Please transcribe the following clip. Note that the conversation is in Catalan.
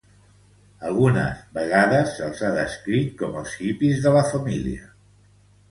Algunes vegades se'ls ha descrit com els hippies de la família.